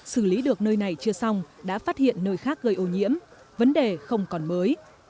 xử lý được nơi này chưa xong đã phát hiện nơi khác gây ô nhiễm vấn đề không còn mới